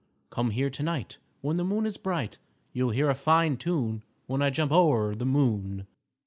"_Come here to night When the moon is bright. You'll hear a fine tune When I jump o'er the moon.